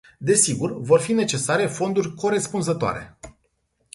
Desigur, vor fi necesare fonduri corespunzătoare.